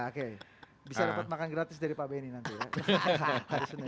oke bisa dapat makan gratis dari pak benny nanti ya hari senin